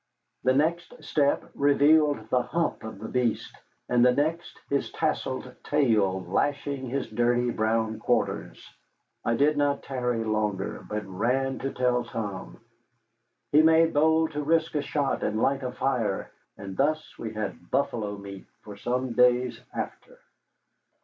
The next step revealed the hump of the beast, and the next his tasselled tail lashing his dirty brown quarters. I did not tarry longer, but ran to tell Tom. He made bold to risk a shot and light a fire, and thus we had buffalo meat for some days after.